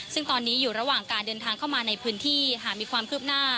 ซึ่งตอนนี้อยู่ระหว่างการเดินทางเข้ามาในพื้นที่หากมีความคืบหน้า